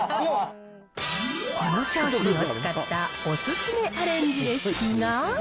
この商品を使ったお勧めアレンジレシピが。